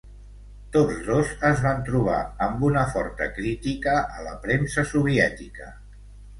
Tots dos es van trobar amb una forta crítica a la premsa soviètica.